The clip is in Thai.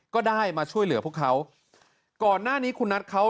ก็ได้มาช่วยเหลือพวกเขาก่อนหน้านี้คุณนัทเขา